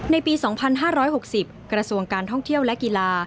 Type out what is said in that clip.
ในปี๒๕๖๐กระทรวงการท่องเที่ยวและกีฬา